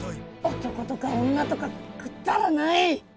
男とか女とかくだらない！